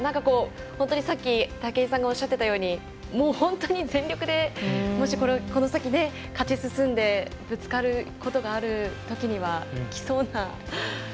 本当にさっき武井さんがおっしゃってたようにもう本当に全力でもし、この先勝ち進んでぶつかることがあるときにはきそうな。